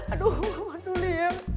aduh waduh liat